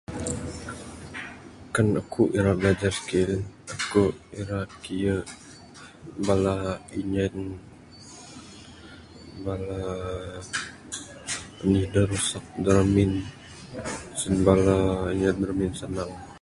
Kan aku ira blajar skill aku ira kiye bala injen bala anih da rusak da ramin sen bala inya da ramin sanang.